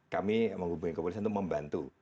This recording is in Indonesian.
kami menghubungi kepolisian untuk membantu